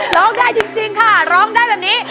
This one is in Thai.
ร้องได้จริงค่ะร้องได้แบบนี้